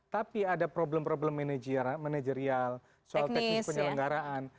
tapi ada problem problem manajerial soal teknis penyelenggaraan